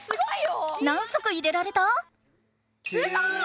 何足入れられた？